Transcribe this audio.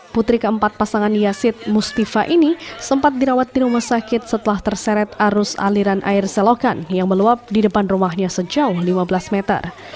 putri keempat pasangan yasid mustifa ini sempat dirawat di rumah sakit setelah terseret arus aliran air selokan yang meluap di depan rumahnya sejauh lima belas meter